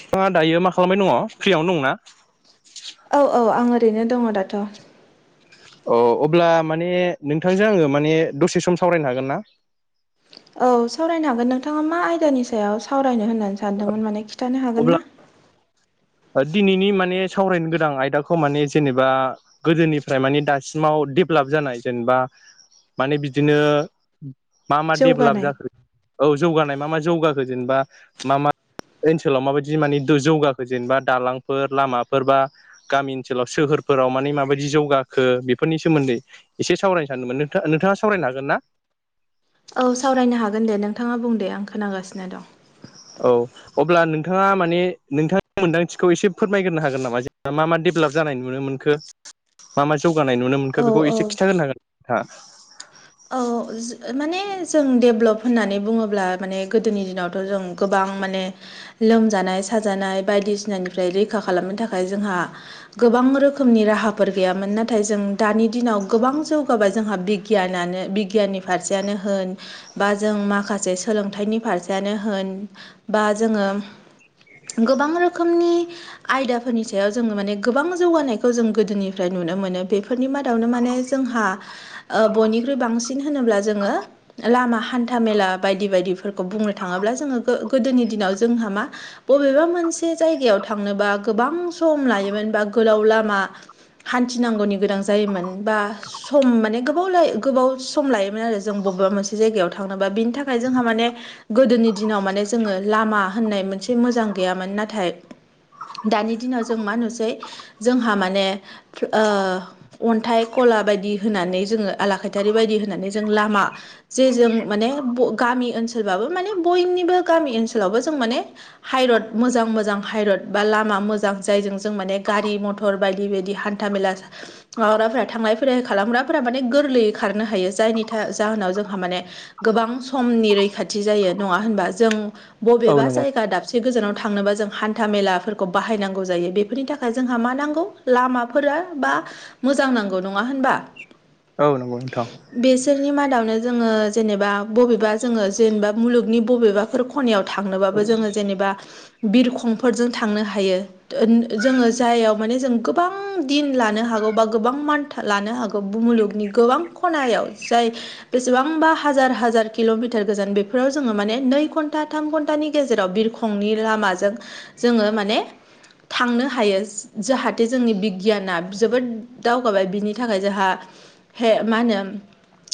नोंथाङा दायो मा खालामनाय दङ फ्रियावनो दं ना? औ औ आं ओरैनो दङ दाथ' अ अब्ला माने नोंथांजों आङो माने दसे सम सावरायनो हागोन ना? औ सावरायनो हागोन नोंथाङा मा आयदानि सायाव सावरायनो होननानै सानदोंमोन माने खिन्थानो हागोन अब्ला ना? दिनैनि माने सावरायनो गोनां आयदाखौ माने जेनेबा गोदोनिफ्राय मानिे दासिमाव डेभेलप जानाय जेनेबा माने बिदिनो मा मा डेभेलप जौगानाय जाखो औ जौगानाय मा मा जौगाखो जेनेबा मा मा ओनसोलाव माबायदि माने जौगाखो? जेनेबा दालांफोर, लामाफोरबा गामि ओनसोलाव, सोहोरफोराव माने माबायदि जौगाखो बेफोरनि सोमोन्दै एसे सावरायनो सानदोंमोनों नोंथाङा सावरायनो हागोन ना? औ सावरायनो हागोन दे नोंथाङा बुं दे आं खोनागासिनो दं। औ अब्ला नोंथाङा माने नोंथांनि मोनदांथिखौ एसे फोरमायग्रो हागोन नामा जे मा मा डेभेलप जानाय नुनो मोनखो मा मा जौगानाय नुनो औ मोनखो बेखौ औ एसे खिथागोर हांगोन नोंथाङा औ ज माने जों डेभ्लप होननानै बुङोब्ला माने गोदोनि दिनावथ' जों गोबां माने लोमजानाय साजानाय बायदिसिनानिफ्राय रैखा खालामनो थाखाय जोंहा गोबां रोखोमनि राहाफोर गैयामोन नाथाय जों दानि दिनाव गोबां जौगाबाय जोंहा बिगियान नानो बिगियाननि फारसेयानो होन बा जों माखासे सोलोंथाइनि फारसेयानो होन बा जोङो गोबां रोखोमनि आयदाफोरनि सायाव जोङो माने गोबां जौगानायखौ जों गोदोनिफ्राय नुनो मोनो बे फोरनि मादावनो माने जोंहा ओ बयनिख्रुइ‌ बांसिन होनोब्ला जोङो लामा हान्था मेला बायदि बायदिफोरखौ बुंनो थाङोब्ला जोङो गो गोदोनि दिनाव जोंहा मा बबेबा मोनसे जायगायाव थांनोबा गोबां सम लायोमोन बा गोलाव लामा हान्थिनांगौनि गोनां जायोमोन बा सम माने गोबाव गोबाव सम लायोमोन आरो जों बबेबा मोनसे जायगायाव थांनोबा बिनि थाखाय जोंहा माने गोदोनि दिनाव माने जोङो लामा होननाय मोनसे मोजां गैयामोन नाथाय दानि दिनाव जों मा नुसै जोंहा माने ओ अन्थाइ घला बायदि होनानै जोङो आलाखायथारि बायदि होननानै जों लामा जे जों माने ब गामि ओनसोलबाबो माने बयनिबो गामि ओनसोलावबो जों माने हाइरड मोजां मोजां हाइरड बा लामा मोज जायजों जों माने गारि मथर बायदि बायदि हान्था मेलाजों माबाग्राफोरा थांलाय फैलाय खालामग्राफोरा माने गोरलैयै खारनो हायो जायनि था जाहोनाव जोंहा माने गोबां समनि रैखाथि जायो नङा होनबा जों हागोन बबेबा नोंथाङा जायगा दाबसे एसे गोजानाव थांनोबा जों हान्था मेलाफोरखौ बाहायनांगौ जायो बेफोरनि थाखाय जोंहा मा नांगौ लामाफोरा बा मोजां नांगौ नङा होनबा? औ नंगौ नोंथां। बेसोरनि मादावनो जोङो जेनेबा बबेबा जोङो जेनेबा मुलुगनि बबेबाफोर खनायाव थांनोबाबो जोङो जेनेबा बिरखंफोरजों थांनो हायो। जोङो जायाव माने जों गोबां दिन लानो हागौ बा गोबां मान था लानो हागौ मुलुगनि गोबां खनायाव जाय बेसेबांबा हाजार हाजार किल'मिटार गोजान बेफोराव जोङो माने नै घन्टा थाम घन्टानि गेजेराव बिरख खंनि लामाजों जोङो माने थांनो हायो जाहाथे जोंनि बिगियाना जोबोद दावगाबाय बिनि थाखाय जोंहा हे मा होनो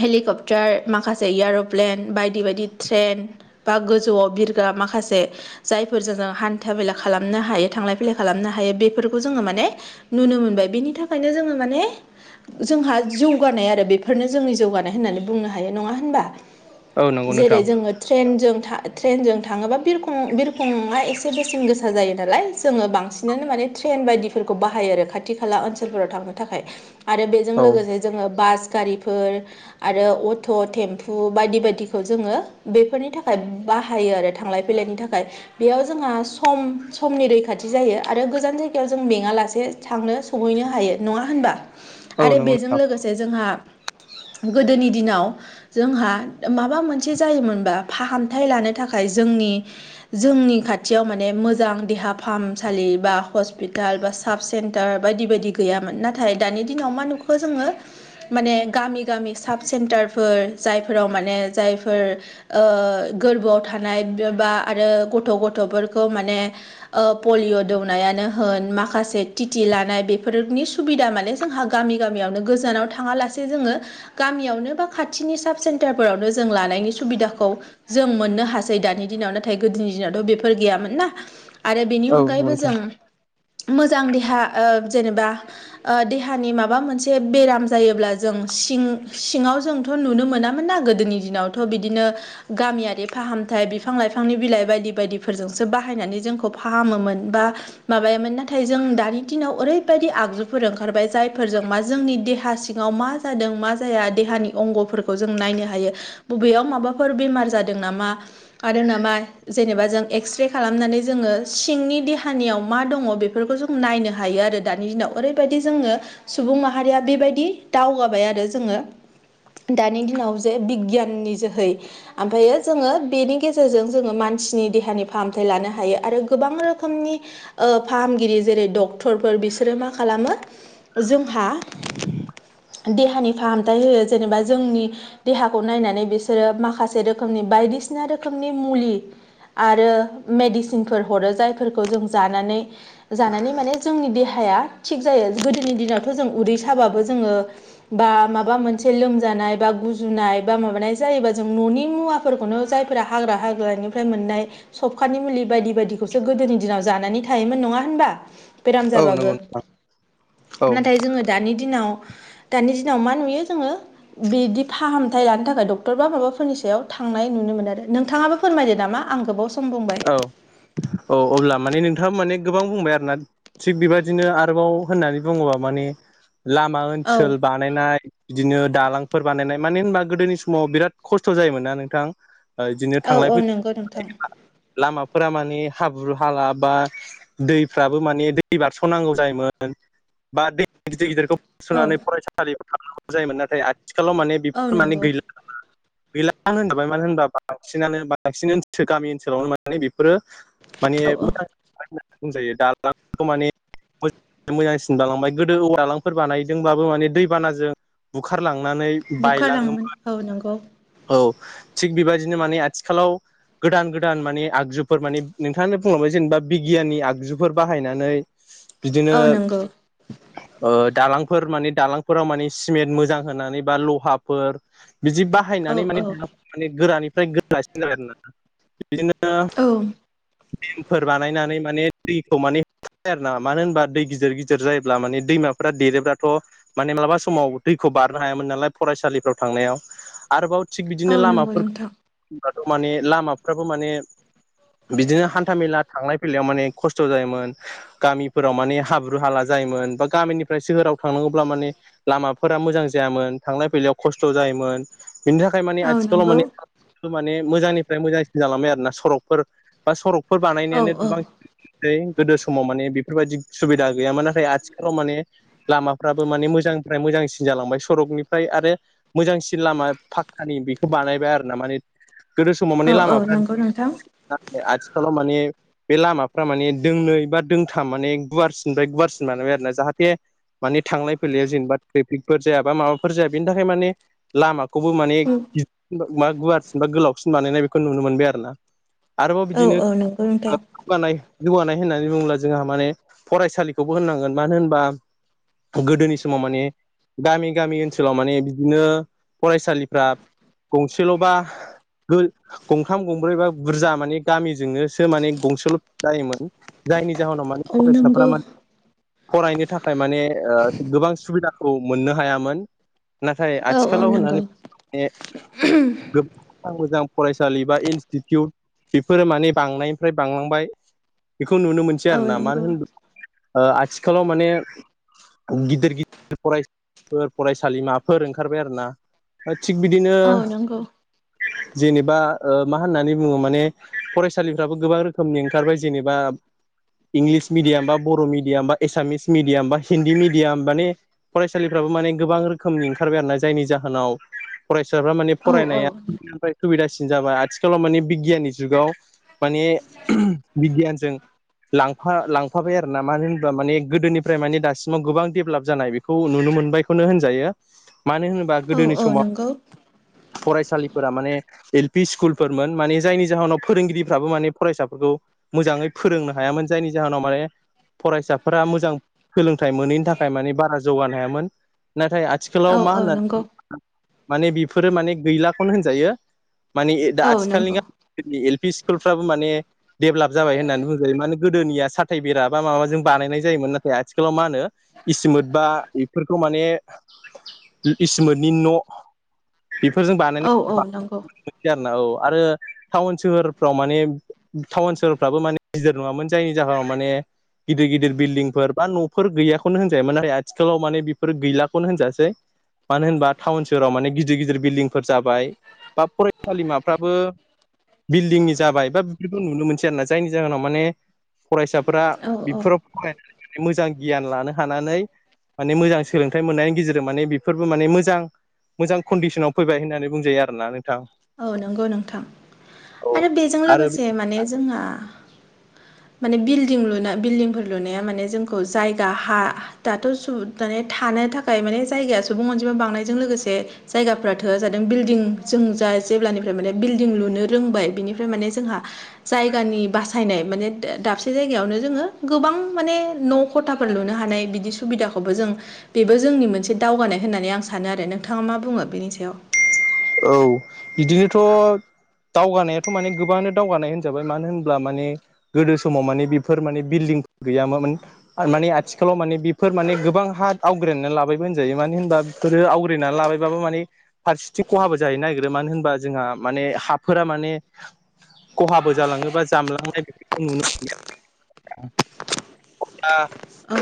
हेलिकप्टार माखासे एयर'प्लेन बायदि बायदि ट्रेन बा गोजौआव बिरग्रा माखासे जायफोरजों हान्था मेला खालामनो हायो थांलाय फैलाय खालामनो हायो बेफोरखौ जोङो माने नुनो मोनबाय बेनि थाखायनो जोङो माने जोंहा जौ गानाय आरो बेफोरनो जोंनि जौगानाय होननानै बुंनो हायो नङा होनबा औ नंगौ जेरै नोंथां जोङो ट्रेनजों था ट्रेनजों थाङोबा बिरखं बिरखंआ एसे बेसेन गोसा जायो नालाय जोङो बांसिन माने ट्रेन बायदिफोरखौ बाहायो आरो खाथि खाला ओनसोलफोराव थांनो थाखाय आरो बेजों औ लोगोसे जोङो बास गारिफोर आरो अट' टेम्पु बायदि बायदिखौ जोङो बेफोरनि थाखाय बाहायो आरो थांलाय बिलाइनि थाखाय बेयाव जोंहा सम समनि रैखाथि जायो आरो गोजान जायगायाव जों मेङालासे थांनो सौहैनो हायो नङा होनबा औ आरो नंगौ बेजों नोंथां लोगोसे जोंहा गोदोनि दिनाव जोंहा माबा मोनसे जायोमोनबा फाहामथाय लानो थाखाय जोंनि जोंनि खाथियाव माने मोजां देहा फाहामसालि बा हस्पिटाल बा साब सेन्टार बायदि बायदि गैयामोन नाथाय दानि दिनाव मा नुखो जोङो माने गामि गामि साब सेन्टारफोर जायफोराव माने जायफोर ओ गोरबोआव थानाय बा आरो गथ' गथ'फोरखौ माने ओ पलिअ' दौनायानो होन माखासे टिटि लानाय बेफोरनि सुबिदा माने जोंहा गामि गामियावनो गोजानाव थाङालासे जोङो गामियावनो बा खाथिनि साब सेन्टारफोरावनो जों लानायनि सुबिदाखौ जों मोननो हासै दानि दिनाव नाथाय गोदोनि दिनावथ' बेफोर गैयामोन ना आरो बेनि औ नंगौ अनगायैबो नोंथां जों मोजां देहा ओ जेनेबा ओ देहानि माबा मोनसे बेराम जायोब्ला जों सिं सिङाव जोंथ' नुनो मोनामोन ना गोदोनि दिनावथ' बिदिनो गामियारि फाहामथाय बिफां लाइफांनि बिलाइ बायदि बायदिफोरजोंसो बाहायनानै जोंखौ फाहामोमोन बा माबायामोन नाथाय जों दानि दिनाव ओरैबायदि आगजुफोर ओंखारबाय जायफोरजों मा जोंनि देहा सिङाव मा जादों मा जाया देहानि अंगफोरखौ जों नायनो हायो बबेयाव माबाफोर बेमार जादों नामा आरो नामा जेनेबा जों एक्सरे खालामनानै जोङो सिंनि देहानियाव मा दङ बे बेफोरखौ जों नायनो हायो आरो दानि दिनाव ओरैबायदि जोङो सुबुं माहारिया बेबायदि दावगाबाय आरो जोङो दानि दिनाव जे बिगियाननि जोहै ओमफायो जोङो बेनि गेजेरजों जोङो मानसिनि देहानि फाहामथाय लानो हायो आरो गोबां रोखोमनि ओ फाहामगिरि जेरै डक्टरफोर बिसोरो मा खालामो जोंहा [unintelligible] देहानि फाहामथाय होयो जेनेबा जोंनि देहाखौ नायनानै बिसोरो माखासे रोखोमनि बायदिसिना रोखोमनि मुलि आरो मेडिसिनफोर हरो जायफोरखौ जों जानानै जानानै माने जोंनि देहाया थिग जायो गोदोनि दिनावथ' जों उदै साबाबो जोङो बा माबा मोनसे लोमजानाय बा गुजुनाय बा माबानाय जायोबा जों न'नि मुवा फोरखौनो जायफोरा हाग्रा हाग्रानिफ्राय मोननाय सबखानि मुलि बायदि बायदिखौसो गोदोनि दिनाव जानानै थायोमोन नङा होनबा बेराम औ जाबाबो नंगौ नोंथां नाथाय जोङो दानि दिनाव दानि दिनाव मा नुयो जोङो बिदि फाहामथाय लानो थाखाय डक्टर बा माबाफोरनि सायाव थांनाय नुनो मोनो आरो नोंथाङाबो फोरमायदो नामा आं गोबाव सम बुंबाय औ औ अब्ला माने नोंथाङा माने गोबां बुंबाय आरोना थिग बेबायदिनो आरोबाव होननानै बुङोबा माने लामा औ ओनसोल बा बानायनाय बिदिनो दालांफोर बानायनाय मानो होनबा गोदोनि समाव बिराद खस्थ' जायोमोन ना नोंथां बिदिनो औ थांलाय औ नंगौ नोंथां फैलाय लामाफोरा माने हाब्रु हाला बा दैफ्राबो माने दै बारस'नांगौ जायोमोन बा दै गिदिर गिदिरखौ औ सोननानै फरायसालियाव थांनांगौ जायोमोन नाथाय आथिखालाव माने औ बेफोर माने नंगौ गैला गैलानो होनजाबाय मानो होनबा बांसिनानो बांसिन गामि ओनसोलावनो [unintelligible] बेफोरो माने औ औ मोजां बुंजायो दालांखौ माने मोजांसिन बालांबाय गोदो औवालांफोर बानायदोंबाबो माने दैबानाजों बुखारलांनानै बुखारलाङोमोन बायलाङोमोन औ नंगौ औ थिग बेबायदिनो माने आथिखालाव गोदान गोदान माने आगजुफोर माने नोंथाङा बुंलांबाय जेनेबा बिगियाननि आगजुफोर बाहायनानै बिदिनो औ नंगौ दालांफोर माने दालांफोराव माने सिमेन्ट मोजां होनानै बा लहाफोर बिदि औ बाहायनानै औ माने दा माने गोरानिफ्राय गोरासिन जाबाय आरो ना दा औ नेम फोर बानायनानै माने दैखौ माने आरो ना मानो होनबा दै गिदिर गिदिर जायोब्ला माने दैमाफोरा देरोब्लाथ' माने मालाबा समाव दैखौ बारनो हायामोन नालाय फरायसालिफ्राव थांनायाव आरोबाव थिग औ बिदिनो नंगौ नोंथां लामाफोरबाथ' माने लामाफ्राबो माने बिदिनो हान्था मेला थांलाय फैलायाव माने खस्थ' जायोमोन गामिफोराव माने हाब्रु हाला जायोमोन बा गामिनिफ्राय सोहोराव थांनांगौब्ला माने लामाफोरा मोजां जायामोन थांलाय फैलायाव खस्थ' जायोमोन बिनि थाखाय ओमफाय माने औ आथिखालाव नंगौ माने माने मोजांनिफ्राय मोजांसिन जालांबाय आरो ना सरकफोर बा सरकफोर औ बानायनायानो बांसिन गोदो समाव माने बेफोरबायदि सुबिदा गैयामोन नाथाय आथिखालाव माने लामाफ्राबो माने मोजांनिफ्राय मोजांसिन जालांबाय सरकनिफ्राय आरो। मोजांसिन लामा फाखकानि बेखौ बानायबाय आरोना माने गोदो समाव माने लामाफ्रा हेल' नोंथां। नाथाय आथिखालाव माने बे लामाफ्रा माने दोंनै बा दोंथाम माने गुवारसिनिफ्राय गुवारसिन बानायबाय आरोना जाहाते माने थांलाय फैलाया जेनेबा ट्रेफिकफोर जाया बा माबाफोर जाया बेनि थाखाय माने लामाखौबो माने औ [unintelligible] मा गुवारसिन बा गोलावसिन बानायनाय बेखौ नुनो मोनबाय आरो ना। आरोबाव बिदिनो औ नंगौ [unintelligible] नोंथां जौगानाय-जौगानाय होननानै बुङोब्ला जोंहा माने फरायसालिखौबो होननांगोन मानो होनबा गोदोनि समाव माने गामि गामि ओनसोलाव माने बिदिनो फरायसालिफ्रा गंसेल'बा गंथाम गंब्रै बा बुरजा माने गामिजोंनोसो माने गंसेल' जायोमोन जायनि जाहोनाव माने औ नंगौ फरायसाफोरा मा [unintelligible] फरायनो थाखाय माने ओ गोबां सुबिदाखौ मोननो हायामोन। नाथाय औ औ आथिखालाव नंगौ होननानै [unintelligible] [unintelligible] मोजां फरायसालि बा इनस्टिटिउट बेफोरो माने बांनायनिफ्राय बांलांबाय बेखौ नुनो मोनसै औ आरोना मानो नंगौ होन [unintelligible] ओ आथिखालाव माने गिदिर गिदिर फरायसाफोर फरायसालिमाफोर ओंखारबाय आरोना। ओ थिग बिदिनो औ नंगौ जेनेबा ओ मा होननानै बुङो माने फरायसालिफ्राबो गोबां रोखोमनि ओंखारबाय जेनेबा इंलिस मिडियाम बा बर' मिडियाम बा एसामिस मिडियाम बा हिन्दी मिडियाम माने फरायसालिफ्राबो माने गोबां रोखोमनि ओंखारबाय आरोना जायनि जाहोनाव फरायसाफ्रा माने औ फरायनाया औ [unintelligible] आथिखालाव मानिम बिगियाननि जुगाव माने [unintelligible] बिगियानजों लांफा लांफाबाय आरोना मानो होनबा माने गोदोनिफ्राय माने दासिमाव गोबां डेभलाप जानाय बे खौ नुनो मोनबायखौनो होनजायो मानो होनोबा औ गोदोनि समाव नंगौ फरायसालिफोरा माने एल पि स्कुलफोरमोन माने [unintelligible] जायनि जाहोनाव फोरोंगिरिफ्राबो माने फरायसाफोरखौ मोजाङै फोरोंनो हायामोन जायनि जाहोनाव माने फरायसाफोरा मोजां सोलोंथाइ मोनैनि थाखाय माने बारा जौगानो हायामोन नाथाय आ [unintelligible] औ थिखालाव मा औ होनना नंगौ माने बेफोरो माने गैलाखौनो होनजायो। माने इ दा औ आथिखालनि नंगौ गामिनि एल पि स्कुलफ्राबो माने देभलाप जाबाय होननानै बुंजायो माने गोदोनिया साथाय बेरा बा माबा जों बानायनाय जायोमोन नाथाय आथिखालाव मा होनो इसोमोत बा बेफोरखौ माने [unintelligible] इसोमोतनि न' बेफोरजों [unintelligible] औ औ नंगौ आरोना औ आरो थाउन सोहोरफ्राव माने थाउन सोहोरफ्राबो माने गिदिर नङामोन जायनि जाहोनाव माने गिदिर गिदिर बिल्डिंफोर बा न'फोर गैयाखौनो होनजायोमोन आथिखालाव माने बेफोर गैलाखौनो होनजासै मानो होनबा थाउन सोहोराव माने गिदिर गिदिर बिल्डिंफोर जाबाय बा फरायसालिमाफ्राबो बिल्डिंनि जाबाय बा बेफोरखौ नुनो मोनसै आरोना जायनि जाहोनाव माने फरायसाफोरा औ औ बेफोराव [unintelligible] मोजां गियान लानो हानानै माने मोजां सोलोंथाइ मोननायनि गेजेरजों माने बेफोरबो माने मोजां मोजां खन्डिसनाव फैबाय होननानै बुंजायो आरोना नोंथां। औ नंगौ नोंथां। औ आरो बेजों आरो लोगोसे माने जोंहा माने बिल्डिं लुनो बिल्डिंफोर लुनाया माने जोंखौ जायगा हा दाथ' सु [unintelligible] दानाय थानो थाखाय माने जायगाया सुबुं अनजिमा बांनायजों लोगोसे जायगाफोरा थोआ जादों बिल्डिं जों जा [unintelligible] जेब्लानिफ्राय माने बिल्डिं लुनो रोंबाय बिनिफ्राय माने जोंहा जायगानि बासायनाय माने दा दाबसे जायगायावनो जोङो गोबां माने न' ख'थाफोर लुनो हानाय बिदि सुबिदाखौबो जों बेबो जोंनि मोनसे दावगानाय होननानै आं सानो आरो नोंथाङा मा बुङो बेनि सायाव औ बिदिनोथ' दावगानायाथ' माने गोबाङानो दावगानाय होनजाबाय मानो होनब्ला माने गोदो समाव माने बेफोर माने बिल्डिं गैयामोमोन। आर माने आथिखालाव माने बेफोर माने गोबां हा आवग्रायनानै लाबायबो होनजायो मानो होनबा [unintelligible] फोरो आवरिना लाबायबाबो माने फारसेथि [unintelligible] खहाबो जाहैनो नागिरो मानो होनबा जोंहा माने हाफोरा माने खहाबो जालाङोबा जामलांनाय बेफोरखौ नुनो [unintelligible] [unintelligible] औ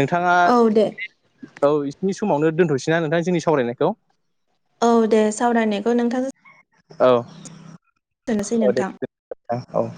नोंथाङा औ दे औ बिसिनि समावनो दोनथ'नोसैना नोंथां जोंनि सावरायनायखौ औ दे सावरायनायखौ नोंथां औ-औ दोननोसै नोंथां [unintelligible] औ